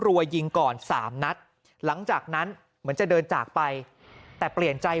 รัวยิงก่อนสามนัดหลังจากนั้นเหมือนจะเดินจากไปแต่เปลี่ยนใจ